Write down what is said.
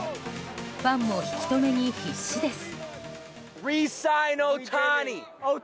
ファンも引き留めに必死です。